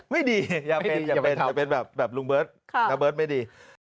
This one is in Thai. ไม่ดีอย่าเป็นอย่าเป็นแบบลุงเบิร์ตน้าเบิร์ตไม่ดี